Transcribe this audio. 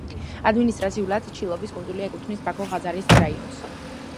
ადმინისტრაციულად ჩილოვის კუნძული ეკუთვნის ბაქოს ხაზარის რაიონს.